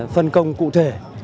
phân công cụ thể